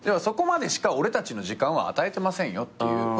そこまでしか俺たちの時間は与えてませんよっていう。